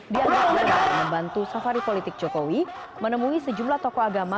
dianggap membantu safari politik jokowi menemui sejumlah tokoh agama